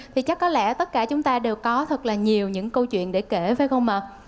thì chắc có lẽ tất cả chúng ta đều có thật là nhiều những câu chuyện để kể phải không ạ